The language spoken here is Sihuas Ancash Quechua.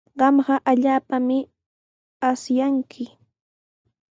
Kayqa allaapami asyaakun.